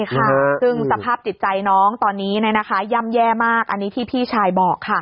ซึ่งสภาพจิตใจน้องตอนนี้ย่ำแย่มากอันนี้ที่พี่ชายบอกค่ะ